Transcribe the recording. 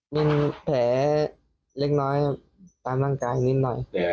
มีแผลเล็กน้อยครับตามร่างกายนิดหน่อย